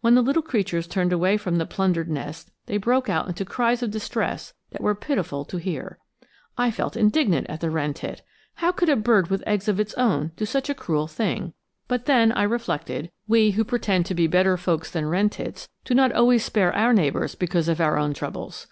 When the little creatures turned away from the plundered nest they broke out into cries of distress that were pitiful to hear. I felt indignant at the wren tit. How could a bird with eggs of its own do such a cruel thing? But then, I reflected, we who pretend to be better folks than wren tits do not always spare our neighbors because of our own troubles.